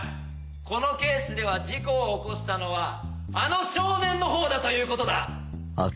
このケースでは事故を起こしたのはあの少年のほうだという事だ。